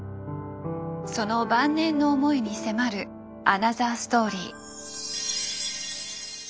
その晩年の思いに迫るアナザーストーリー。